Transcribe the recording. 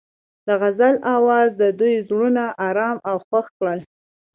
د غزل اواز د دوی زړونه ارامه او خوښ کړل.